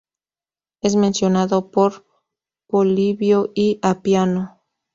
Es mencionado por Polibio y Apiano.